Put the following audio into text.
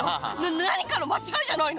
何かの間違いじゃないの。